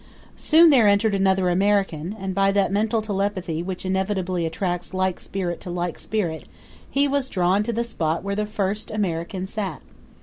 Soon there entered another American, and by that mental telepathy which inevitably attracts like spirit to like spirit he was drawn to the spot where the first American sat.